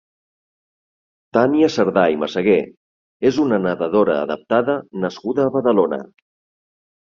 Tània Cerdà i Meseguer és una nedadora adaptada nascuda a Badalona.